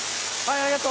ありがとう。